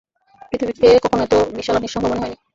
পৃথিবীকে কখনো এত বিশাল আর নিঃসঙ্গ মনে হয়নি।